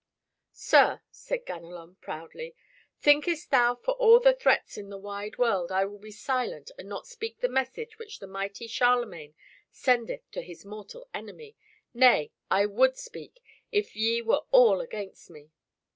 "Sir," said Ganelon proudly, "thinkest thou for all the threats in the wide world I will be silent and not speak the message which the mighty Charlemagne sendeth to his mortal enemy? Nay, I would speak, if ye were all against me."